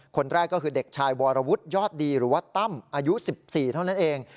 คนแรกก็คือเด็กชายวรวุฒิยอดดีหรือว่าตั้มอายุ๑๔เท่านั้นเอง